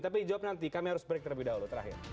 tapi jawab nanti kami harus break terlebih dahulu terakhir